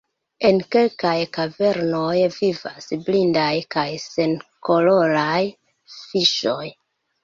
En kelkaj kavernoj vivas blindaj kaj senkoloraj fiŝoj.